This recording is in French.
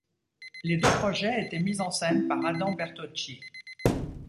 Les deux projets étaient mis en scène par Adam Bertocci.